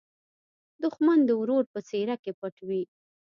دښمن د ورور په څېره کې پټ وي